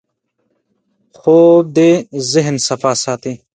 خوب د ذهن صفا ساتي